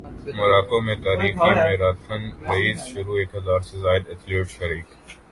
موراکو میں تاریخی marathon race شروع ایک ہزار سے زائد ایتھلیٹس شریک